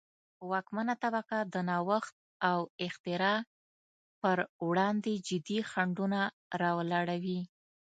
واکمنه طبقه د نوښت او اختراع پروړاندې جدي خنډونه را ولاړوي.